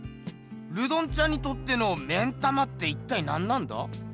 ルドンちゃんにとっての目ん玉って一体なんなんだ？